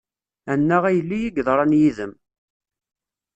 Annaɣ a yelli, i yeḍran yid-m.